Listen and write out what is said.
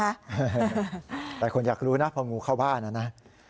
หลายคนอยากรู้นะพองูเข้าบ้านนะนะ